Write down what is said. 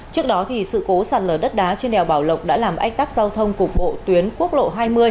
trước đó sự cố sạt lở đất đá trên đèo bảo lộc đã làm ách tắc giao thông cục bộ tuyến quốc lộ hai mươi